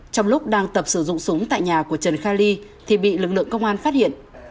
trong lúc đang tập sử dụng súng tại nhà của trần kha ly thì bị lực lượng công an phát hiện